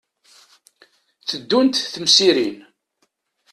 Tteddunt temsirin.